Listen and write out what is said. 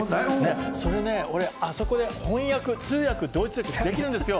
俺ね、あそこで翻訳、通訳、ドイツ語できるんですよ。